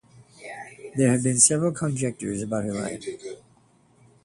There have been several conjectures about her life.